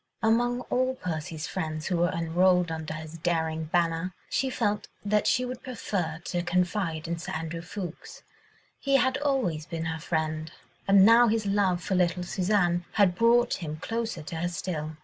Among all Percy's friends who were enrolled under his daring banner, she felt that she would prefer to confide in Sir Andrew Ffoulkes. He had always been her friend, and now his love for little Suzanne had brought him closer to her still.